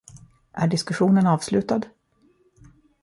Är diskussionen avslutad?